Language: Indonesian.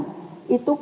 itu kita akan melakukan